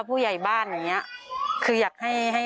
มันมันเป็นยังไงอ่ะ